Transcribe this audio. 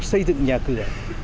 xây dựng nhà cửa